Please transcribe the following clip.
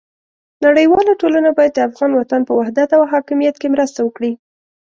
نړیواله ټولنه باید د افغان وطن په وحدت او حاکمیت کې مرسته وکړي.